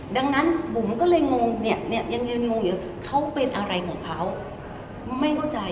ดังนั้นบุ๋มก็เลยงงเนี่ยเขาเป็นอะไรของเขาไม่เข้าใจ